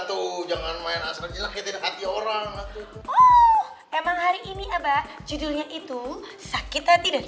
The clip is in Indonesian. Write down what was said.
tuh jangan main aslinya kaya tidak hati orang emang hari ini abah judulnya itu sakit hati dan